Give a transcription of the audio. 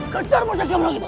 kacar masa kemana kita